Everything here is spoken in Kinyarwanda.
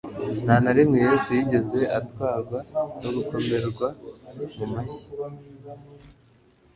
Nta na rimwe Yesu yigeze atwarwa no gukomerwa mu mashyi